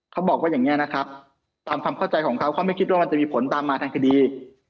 เขาบอกว่าอย่างนี้นะครับตามความเข้าใจของเขาเขาไม่คิดว่ามันจะมีผลตามมาทางคดี